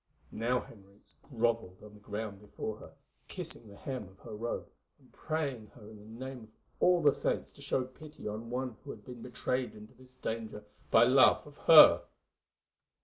Now Henriques grovelled on the ground before her, kissing the hem of her robe, and praying her in the name of all the saints to show pity on one who had been betrayed into this danger by love of her.